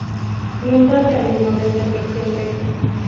Nunca terminó de ser versión beta.